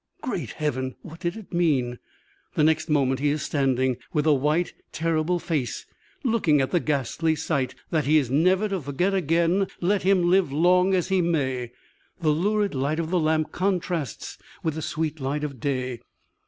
Great Heaven! what did it mean? The next moment he is standing, with a white, terrible face, looking at the ghastly sight, that he is never to forget again, let him live long as he may. The lurid light of the lamps contrasts with the sweet light of day.